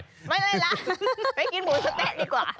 ไม่เล่นหรอกไปกินหมูสะเต๊ะดีกว่า